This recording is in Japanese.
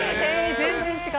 全然違う。